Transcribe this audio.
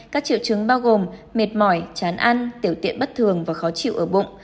các triệu chứng bao gồm mệt mỏi chán ăn tiểu tiện bất thường và khó chịu ở bụng